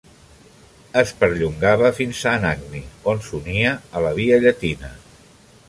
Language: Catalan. Es perllongava fins a Anagni, on s'unia a la via Llatina.